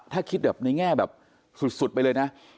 ถ้าคิดแบบในแง่แบบสุดไปเลยนะ